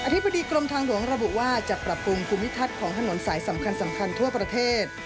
ธิบดีกรมทางหลวงระบุว่าจะปรับปรุงภูมิทัศน์ของถนนสายสำคัญทั่วประเทศ